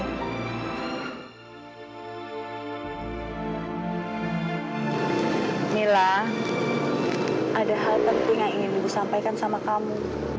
mila ada hal penting yang ingin ibu sampaikan sama kamu